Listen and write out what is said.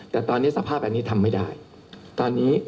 แต่ตอนนี้สภาพแบบนี้ทำไม่ได้